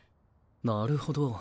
なるほど。